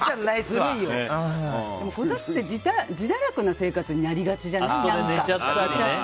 こたつって自堕落な生活になりがちじゃない？